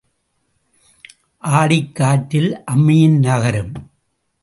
ஆடிக் காற்றில் அம்மியும் நகரும்.